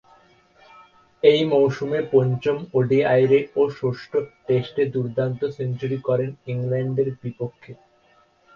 ঐ মৌসুমে পঞ্চম ওডিআইয়ে ও ষষ্ঠ টেস্টে দূর্দান্ত সেঞ্চুরি করেন ইংল্যান্ডের বিপক্ষে।